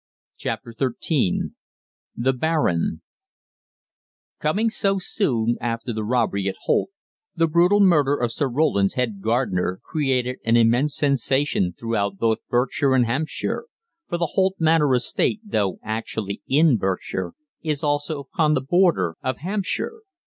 CHAPTER XIII THE BARON Coming so soon after the robbery at Holt, the brutal murder of Sir Roland's head gardener created an immense sensation throughout both Berkshire and Hampshire for the Holt Manor estate, though actually in Berkshire, is also upon the border of Hampshire.